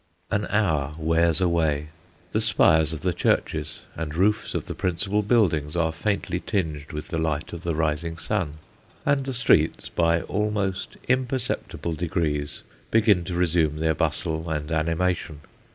An hour wears away ; the spires of the churches and roofs of the principal buildings are faintly tinged with the light of the rising sun ; and the streets, by almost imperceptible degrees, begin to resume their bustle and animation.